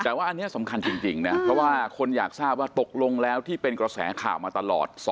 แต่ว่าอันนี้สำคัญจริงนะเพราะว่าคนอยากทราบว่าตกลงแล้วที่เป็นกระแสข่าวมาตลอด